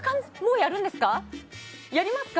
やりますか。